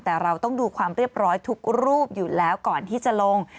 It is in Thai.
แต่เราต้องดูความเรียบร้อยทุกรูปอยู่แล้วก่อนที่จะลง